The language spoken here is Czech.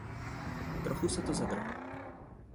Trochu se to zadrhlo.